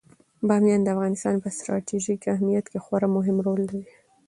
بامیان د افغانستان په ستراتیژیک اهمیت کې خورا مهم رول لري.